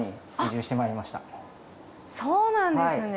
そうなんですね。